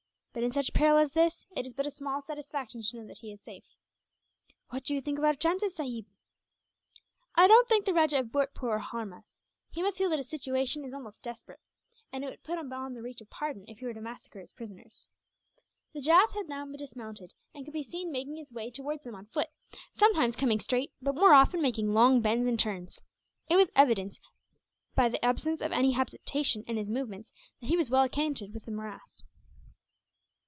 But in such peril as this, it is but a small satisfaction to know that he is safe." "What do you think of our chances, sahib?" "I don't think the Rajah of Bhurtpoor will harm us. He must feel that his situation is almost desperate, and it would put him beyond the reach of pardon, if he were to massacre his prisoners." The Jat had now dismounted, and could be seen making his way towards them on foot; sometimes coming straight, but more often making long bends and turns. It was evident, by the absence of any hesitation in his movements, that he was well acquainted with the morass.